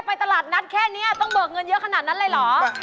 ไปตลาดนัดแค่นี้ต้องเบิกเงินเยอะขนาดนั้นเลยเหรอ